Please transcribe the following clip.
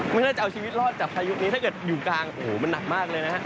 ไม่น่าจะเอาชีวิตรอดจากพายุนี้ถ้าเกิดอยู่กลางโอ้โหมันหนักมากเลยนะฮะ